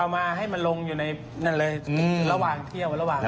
มาให้มันลงอยู่ในนั่นเลยระหว่างเที่ยวระหว่าง